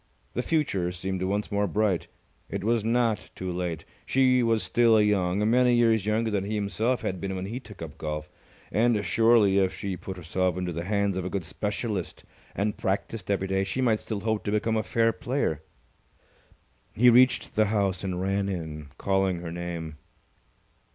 The future seemed once more bright. It was not too late. She was still young, many years younger than he himself had been when he took up golf, and surely, if she put herself into the hands of a good specialist and practised every day, she might still hope to become a fair player. He reached the house and ran in, calling her name.